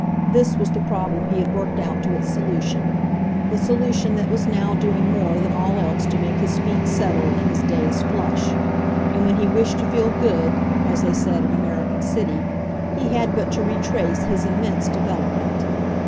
THIS was the problem he had worked out to its solution the solution that was now doing more than all else to make his feet settle and his days flush; and when he wished to feel "good," as they said at American City, he had but to retrace his immense development.